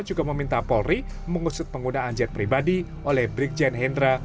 juga meminta polri mengusut penggunaan jet pribadi oleh brigjen hendra